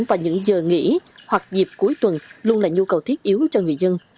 và những giờ nghỉ hoặc dịp cuối tuần luôn là nhu cầu thiết yếu cho người dân